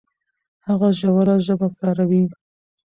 هغه ژوره ژبه کاروي.